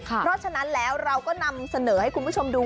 เพราะฉะนั้นแล้วเราก็นำเสนอให้คุณผู้ชมดู